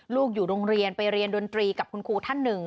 ลูกอยู่โรงเรียนไปเรียนดนตรีกับคุณครูท่านหนึ่ง